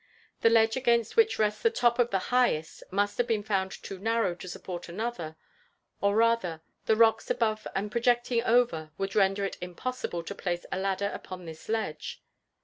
The ledge against which rests the top of the highest must have been found too narrow to support another; or rather, the rocks above and projecting over would render it impossible to place a ladder upon this ledge.